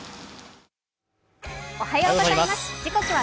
おはようございます。